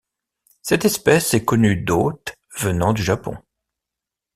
Cette espèce est connue d'hôtes venant du Japon.